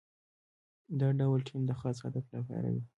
دا ډول ټیم د خاص هدف لپاره وي.